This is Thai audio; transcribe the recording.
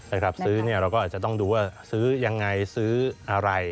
ใช่ครับซื้อเราก็จะต้องดูว่าซื้อยังไงซื้ออะไร